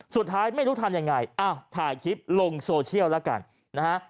สุดท้ายไม่รู้ทำยังไงอ้าวถ่ายคลิปลงโซเชียลแล้วกันนะฮะ